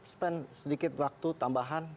spend sedikit waktu tambahan